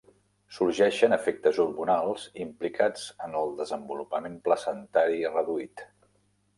Sorgeixen efectes hormonals implicats en el desenvolupament placentari reduït.